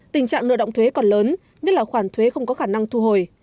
tình trạng nợ động thuế còn lớn nhất là khoản thuế không có khả năng thu hồi